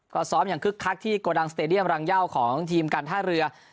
ก็ซ้อมอย่างคึกคักที่โกดังสเตดียมรังเย่าของทีมการท่าเรือ